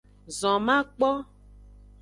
Zon makpo.